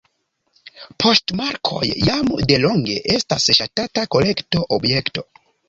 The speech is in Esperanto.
Poŝtmarkoj jam delonge estas ŝatata kolekto-objekto.